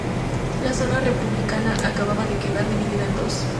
La zona republicana acababa de quedar dividida en dos.